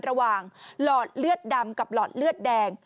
ระหว่างหลอดเลือดดำกับหลอดเลือดแดง